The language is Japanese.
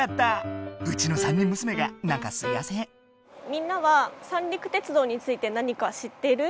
みんなは三陸鉄道について何か知ってる？